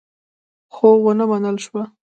خو ونه منل شوه.